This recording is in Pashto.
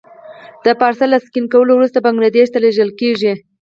دا پارسل له سکن کولو وروسته بنګلادیش ته لېږل کېږي.